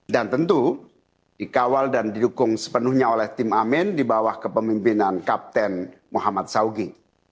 dan tentu dikawal dan didukung sepenuhnya oleh tim amin di bawah kepemimpinan kapten muhammad saugi